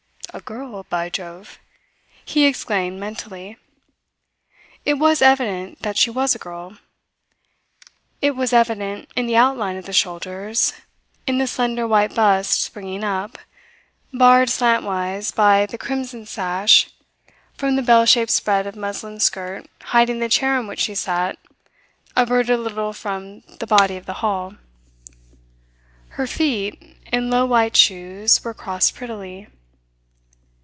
"A girl, by Jove!" he exclaimed mentally. It was evident that she was a girl. It was evident in the outline of the shoulders, in the slender white bust springing up, barred slantwise by the crimson sash, from the bell shaped spread of muslin skirt hiding the chair on which she sat averted a little from the body of the hall. Her feet, in low white shoes, were crossed prettily.